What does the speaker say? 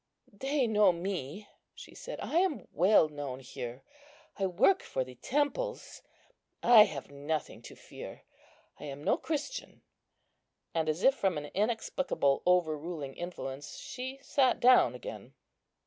"They know me," she said; "I am well known here. I work for the temples. I have nothing to fear. I am no Christian;" and, as if from an inexplicable overruling influence, she sat down again.